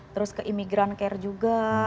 terus ke imigran care juga